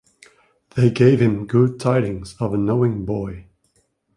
They gave him good tidings of a knowing boy.